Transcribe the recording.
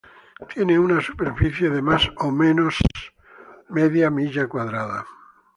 Tiene una superficie de alrededor de la mitad de una milla cuadrada.